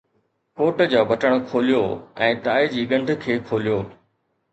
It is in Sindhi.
ڪوٽ جا بٽڻ کوليو ۽ ٽائي جي ڳنڍ کي کوليو